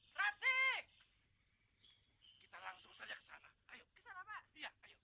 kalian bisa sampai rumah itu